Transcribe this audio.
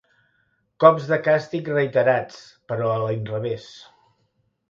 Cops de càstig reiterats, però a l'inrevés.